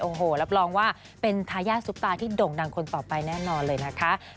โอ้โหรับรองว่าเป็นทายาทซุปตาที่โด่งดังคนต่อไปแน่นอนเลยนะคะ